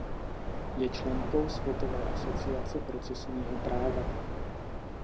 Je členkou Světové asociace procesního práva.